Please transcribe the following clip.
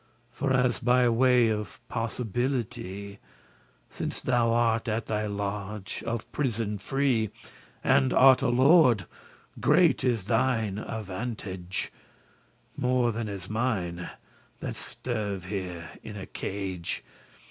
For as by way of possibility, Since thou art at thy large, of prison free, And art a lord, great is thine avantage, More than is mine, that sterve here in a cage.